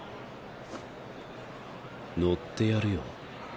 乗ってやるよ。